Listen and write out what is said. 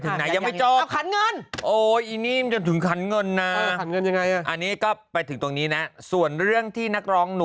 เพลงเขาไทเทยูนักไม่เคยฝากโอเคมากผ่านไปอ่ะอ่านต่อเลยครับ